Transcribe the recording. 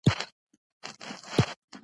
نو خپله اندېښنه يې ورسره شريکه کړه.